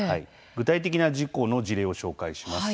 具体的な事故の事例を紹介します。